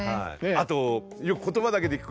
あとよく言葉だけで聞く